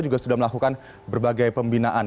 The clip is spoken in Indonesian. juga sudah melakukan berbagai pembinaan